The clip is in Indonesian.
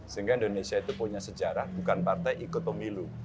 sehingga indonesia itu punya sejarah bukan partai ikut pemilu